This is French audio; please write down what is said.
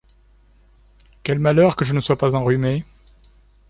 Quel malheur que je ne sois pas enrhumé!